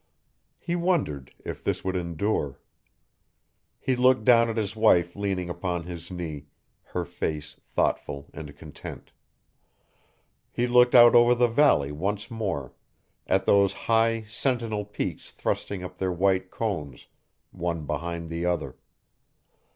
He wondered if this would endure. He looked down at his wife leaning upon his knee, her face thoughtful and content. He looked out over the valley once more, at those high, sentinel peaks thrusting up their white cones, one behind the other.